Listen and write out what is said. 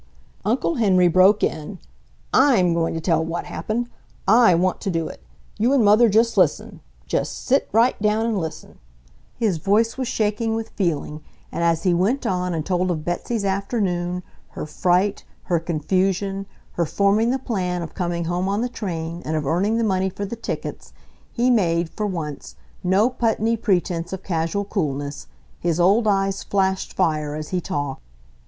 Uncle Henry broke in: "I'M going to tell what happened. I WANT to do it. You and Mother just listen, just sit right down and listen." His voice was shaking with feeling, and as he went on and told of Betsy's afternoon, her fright, her confusion, her forming the plan of coming home on the train and of earning the money for the tickets, he made, for once, no Putney pretense of casual coolness. His old eyes flashed fire as he talked.